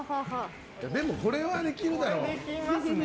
でも、これはできるだろ？